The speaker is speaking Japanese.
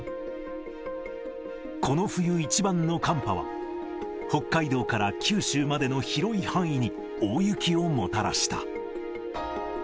この冬一番の寒波は、北海道から九州までの広い範囲に大雪をもたらした。